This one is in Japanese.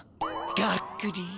がっくり。